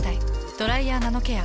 「ドライヤーナノケア」。